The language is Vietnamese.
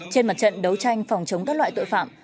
trên mặt trận đấu tranh phòng chống các loại tội phạm